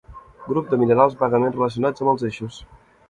Grup de minerals vagament relacionats amb els eixos.